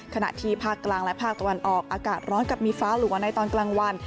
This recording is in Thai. ขณะที่ภาคกลางและภาคตะวันออกอากาศร้อนกับมีฟ้าหลัวในตอนกลางวัน